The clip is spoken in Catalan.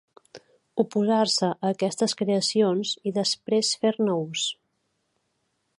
Oposar-se a aquestes creacions i després fer-ne ús.